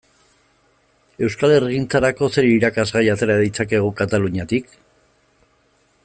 Euskal herrigintzarako zer irakasgai atera ditzakegu Kataluniatik?